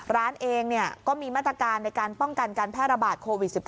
ร้านเองก็มีมาตรการในการป้องกันการแพร่ระบาดโควิด๑๙